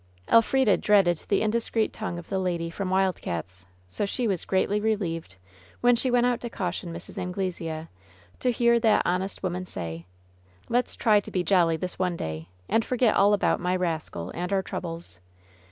Elfrida dreaded the indiscreet tongue of the lady LOVE'S BITTEREST CUP 165 from Wild Cats' ; so she was greatly relieved, when she went out to caution Mrs. Anglesea, to hear that honest woman say: "Let's try to be jolly this one day, and forget all about my rascal and our troubles